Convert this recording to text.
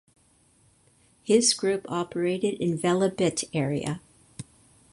His group operated in Velebit area.